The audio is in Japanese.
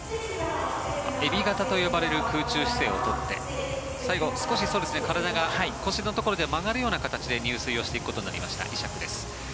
エビ型と呼ばれる空中姿勢を取って最後、少し体が腰のところで曲がるような形で入水していくことになりましたイシャックです。